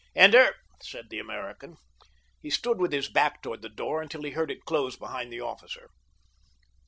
"Enter!" said the American. He stood with his back toward the door until he heard it close behind the officer.